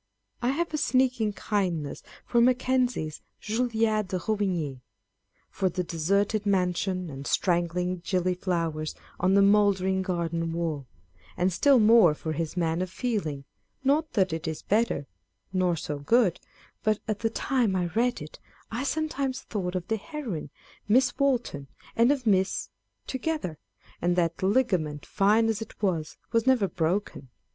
* I have a sneaking kindness for Mackenzie's Julia de Roitbigne â€" for the deserted mansion, and straggling gilliflowers on the mouldering garden wall ; and still more for his Man of Feeling; not that it is better, nor so good ; but at the time I read it, I sometimes thought of the heroine, Miss Walton, and of Miss â€" together, and " that ligament, fine as it was, was never broken